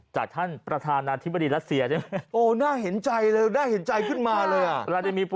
จากท่านประธานาธิบดีรัสเซียใช่ไหม